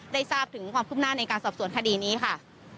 ทราบถึงความคืบหน้าในการสอบสวนคดีนี้ค่ะ